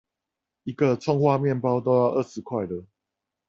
一個蔥花麵包都要二十塊了！